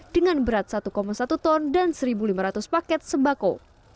dengan berat satu satu ton dan satu lima ratus paket sembako